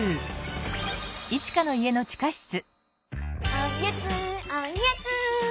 おやつおやつ！